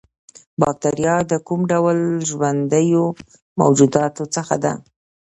باکتریا د کوم ډول ژوندیو موجوداتو څخه ده